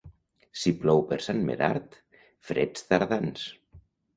Si plou per Sant Medard, freds tardans.